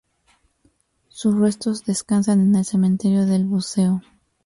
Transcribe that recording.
Sus restos descansan en el Cementerio del Buceo.